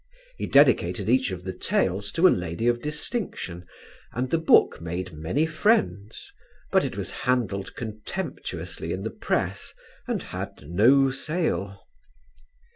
He dedicated each of the tales to a lady of distinction and the book made many friends; but it was handled contemptuously in the press and had no sale.